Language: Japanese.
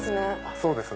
そうですね。